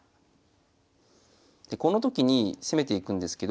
でこの時に攻めていくんですけど。